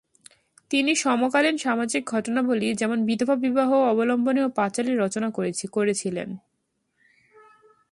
তিনি সমকালীন সামাজিক ঘটনাবলি, যেমন বিধবা বিবাহ, অবলম্বনেও পাঁচালী রচনা করেছিলেন।